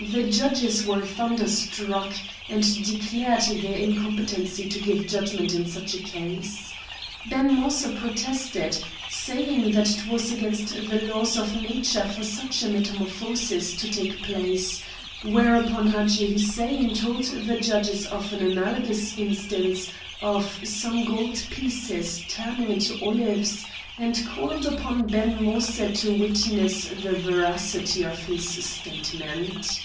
The judges were thunderstruck, and declared their incompetency to give judgment in such a case. Ben Moïse protested, saying that it was against the laws of nature for such a metamorphosis to take place, whereupon Hadji Hussein told the judges of an analogous instance of some gold pieces turning into olives, and called upon Ben Moïse to witness the veracity of his statement.